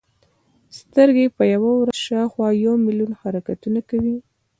سترګې په یوه ورځ شاوخوا یو ملیون حرکتونه کوي.